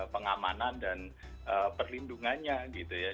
pengamanan dan perlindungannya gitu ya